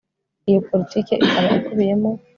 iyo politiki ikaba ikubiyemo